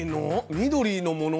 緑のもの。